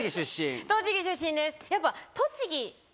栃木出身です。